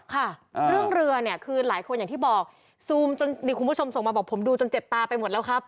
ค่ะเรื่องเรือเนี่ยคือหลายคนอย่างที่บอกซูมจนนี่คุณผู้ชมส่งมาบอกผมดูจนเจ็บตาไปหมดแล้วครับ